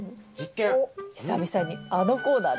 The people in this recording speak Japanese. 久々にあのコーナーで。